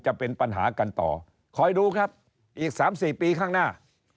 จะเป็นปัญหากันต่อคอยดูครับอีก๓๔ปีข้างหน้า